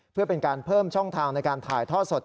เพื่อเป็นการเพิ่มช่องทางในการถ่ายทอดสด